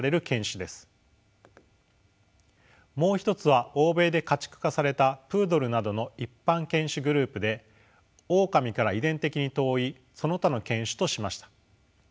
もう一つは欧米で家畜化されたプードルなどの一般犬種グループでオオカミから遺伝的に遠いその他の犬種としました。